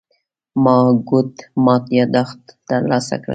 ما ګوډو مات يادښت ترلاسه کړ.